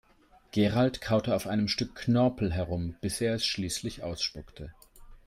Gerald kaute auf einem Stück Knorpel herum, bis er es schließlich ausspuckte.